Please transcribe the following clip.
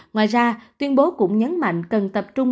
ngoài ra tuyên bố cũng nhấn mạnh cần tập trung